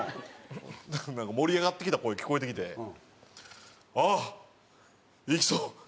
なんか盛り上がってきた声聞こえてきて「あっいきそう！